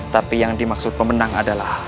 tapi yang dimaksud pemenang adalah